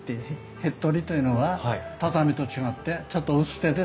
へっとりというのは畳と違ってちょっと薄手です。